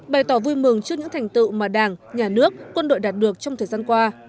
bày tỏ vui mừng trước những thành tựu mà đảng nhà nước quân đội đạt được trong thời gian qua